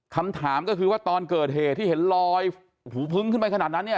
คำถามก็คือว่าตอนเกิดเหตุที่เห็นลอยหูพึ้งขึ้นไปขนาดนั้นเนี่ย